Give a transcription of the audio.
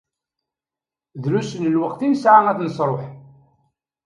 Drus n lweqt i nesɛa ad t-nesruḥ.